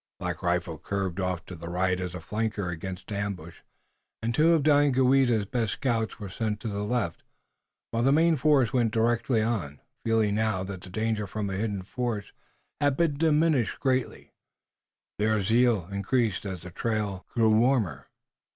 Black Rifle curved off to the right as a flanker against ambush, and two of Daganoweda's best scouts were sent to the left, while the main force went on directly, feeling now that the danger from a hidden force had been diminished greatly, their zeal increasing as the trail grew warmer.